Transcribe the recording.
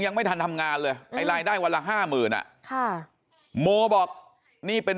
ยังไม่ทันทำงานเลยไอ้รายได้วันละ๕๐๐๐๐อ่ะโมบอกนี่เป็น